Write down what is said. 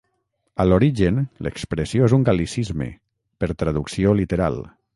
A l'origen l'expressió és un gal·licisme, per traducció literal.